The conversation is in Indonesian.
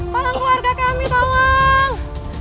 tolong keluarga kami tolong